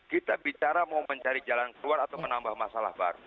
kita bicara mau mencari jalan keluar atau menambah masalah baru